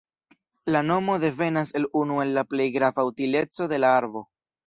La nomo devenas el unu el la plej grava utileco de la arbo.